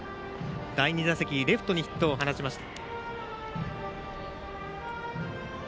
第２打席レフトにヒットを放ちました。